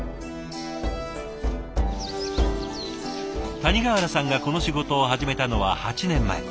谷川原さんがこの仕事を始めたのは８年前。